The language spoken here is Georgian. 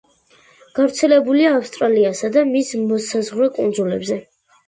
გავრცელებულია ავსტრალიასა და მისი მოსაზღვრე კუნძულებზე.